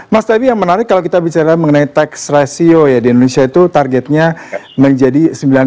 mas tapi yang menarik kalau kita bicara mengenai tax ratio ya di indonesia itu targetnya menjadi sembilan puluh